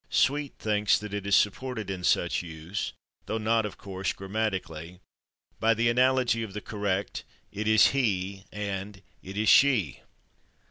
Sweet thinks that it is supported in such use, though not, of course, grammatically, by the analogy of the correct "it is /he/" and "it is /she